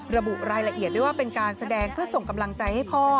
ระบุรายละเอียดด้วยว่าเป็นการแสดงเพื่อส่งกำลังใจให้พ่อ